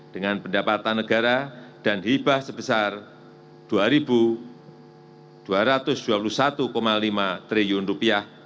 dengan pendapatan negara dan riba sebesar rp dua ratus dua puluh satu lima triliun